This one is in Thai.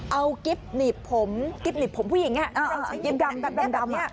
เอากิฟต์หนีบผมผู้หญิงน่ะ